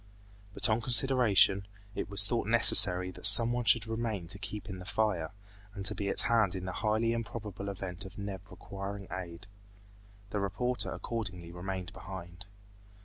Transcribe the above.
But on consideration, it was thought necessary that someone should remain to keep in the fire, and to be at hand in the highly improbable event of Neb requiring aid. The reporter accordingly remained behind.